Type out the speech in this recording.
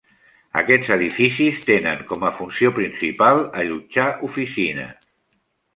Aquests edificis tenen com a funció principal allotjar oficines.